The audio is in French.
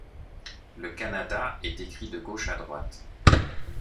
Le kannada est écrit de gauche à droite.